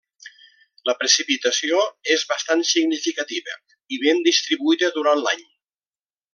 La precipitació és bastant significativa i ben distribuïda durant l'any.